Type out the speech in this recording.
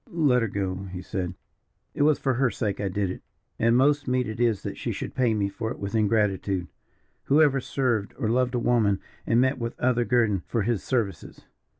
"Let her go on," he said. "It was for her sake I did it, and most meet it is that she should pay me for it with ingratitude. Who ever served or loved a woman and met with other guerdon for his services?